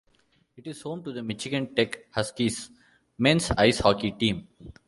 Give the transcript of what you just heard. It is home to the Michigan Tech Huskies men's ice hockey team.